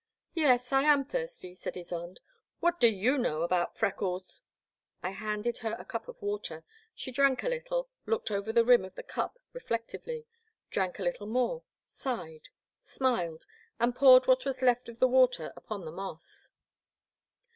" Yes, I am thirsty, said Ysonde, — ^what do you know about freckles ?I handed her a cup of water; she drank a little, looked over the rim of the cup reflectively, drank a little more, sighed, smiled, and poured what was left of the water upon the moss.